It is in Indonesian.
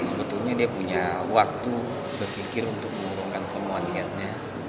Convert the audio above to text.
sebetulnya dia punya waktu berpikir untuk mengurungkan semua niatnya